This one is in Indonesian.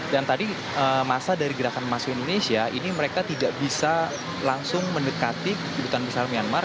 dan tadi masa dari gerakan maso indonesia ini mereka tidak bisa langsung mendekati kedutaan besar myanmar